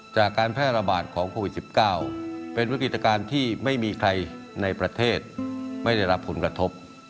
จากการแพร่ระบาดของโควิด๑๙เป็นวิกฤตการณ์ที่ไม่มีใครในประเทศไม่ได้รับผลกระทบ